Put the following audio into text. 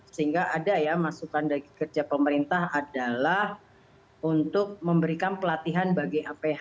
sehingga ada ya masukan dari kerja pemerintah adalah untuk memberikan pelatihan bagi aph